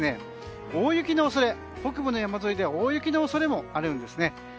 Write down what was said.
更に、北部の山沿いでは大雪の恐れもあるんですね。